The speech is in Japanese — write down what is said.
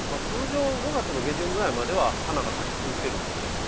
通常５月の下旬ぐらいまでは花が咲き続けるんですよ。